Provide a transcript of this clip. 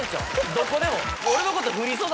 どこでも。